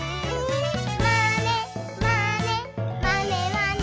「まねまねまねまね」